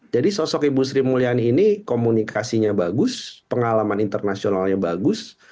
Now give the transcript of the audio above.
jadi sosok ibu sri mulyani ini komunikasinya bagus pengalaman internasionalnya bagus